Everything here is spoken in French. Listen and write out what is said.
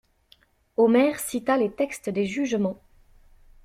Omer cita les textes des jugements.